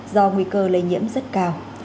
do nguy cơ lây nhiễm rất cao